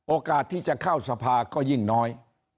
โอกาสที่จะเข้าสภาก็ยิ่งน้อย